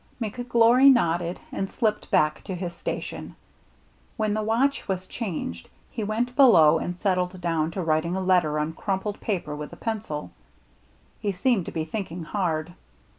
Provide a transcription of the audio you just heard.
McGlory nodded and slipped back to his station. When the watch was changed, he went below and settled down to writing a letter on crumpled paper with a pencil. He seemed to be thinking hard.